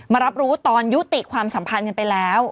รับรู้ตอนยุติความสัมพันธ์กันไปแล้ว